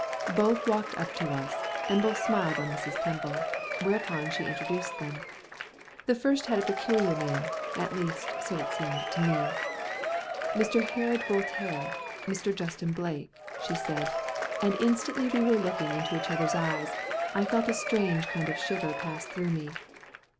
Both walked up to us, and both smiled on Mrs. Temple, whereupon she introduced them. The first had a peculiar name; at least, so it seemed to me. "Mr. Herod Voltaire Mr. Justin Blake," she said; and instantly we were looking into each other's eyes, I feeling a strange kind of shiver pass through me.